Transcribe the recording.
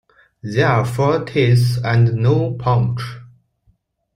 There are four teats and no pouch.